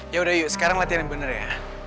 yaudah yuk sekarang latihan yang bener ya